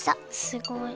すごい！